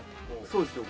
そうですよ。